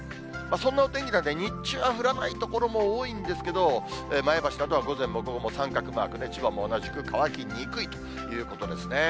そんなお天気なんで、日中は降らない所も多いんですけど、前橋などは午前も午後も三角マークで、千葉も同じく乾きにくいということですね。